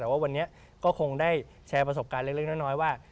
แต่ว่าวันนี้ก็คงได้แชร์ประสบการณ์เล็กน้อยว่า